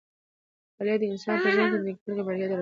مطالعه د انسان په ژوند کې د نېکمرغۍ او بریا دروازې پرانیزي.